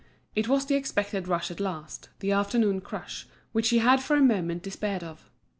It was the expected rush at last, the afternoon crush, which he had for a moment despaired of.